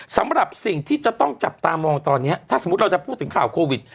สำหรับสิ่งที่จะต้องจับตามองตอนนี้ถ้าสมมุติเราจะพูดถึงข่าวโควิด